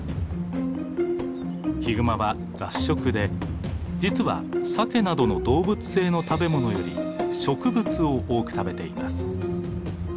ヒグマは雑食で実はサケなどの動物性の食べ物より植物を多く食べています。